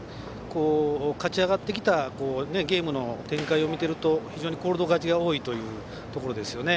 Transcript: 勝ち上がってきたゲームの展開を見ていると非常にコールド勝ちが多いというところですよね。